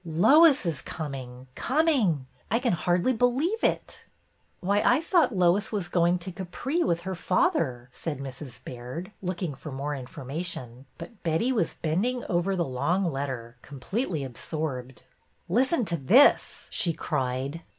" Lois is com ing — coming. I can hardly believe it 1 "'' Why, I thought Lois was going to Capri with her father," said Mrs. Baird, looking for more information ; but Betty was bending over the long letter, completely absorbed. '' Listen to this," she cried.